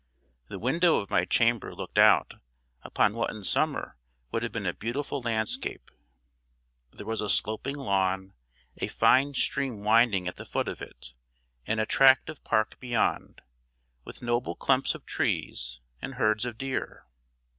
The window of my chamber looked out upon what in summer would have been a beautiful landscape. There was a sloping lawn, a fine stream winding at the foot of it, and a tract of park beyond, with noble clumps of trees, and herds of deer.